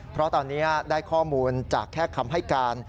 เพราะตอนนี้ได้ข้อมูลจากแค่คำให้การ